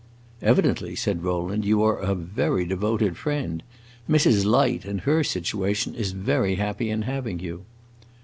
"Evidently," said Rowland, "you are a very devoted friend. Mrs. Light, in her situation, is very happy in having you."